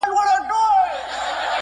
اوتومات مو فکر ته سپين ږيري